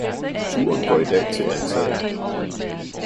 Turen går i dag til Ansager